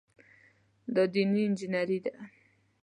دا دیني انجینیري ده.